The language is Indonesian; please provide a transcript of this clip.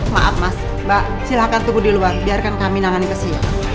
maaf mas mbak silahkan tunggu di luar biarkan kami nangani ke sini